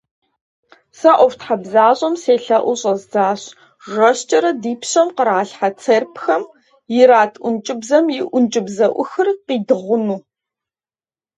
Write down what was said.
Сэ ӀуэхутхьэбзащӀэм селъэӀуу щӀэздзащ, жэщкӀэрэ ди пщэм къралъхьэ церпхэм ират ӀункӀыбзэм и ӀункӀыбзэӀухыр къидыгъуну.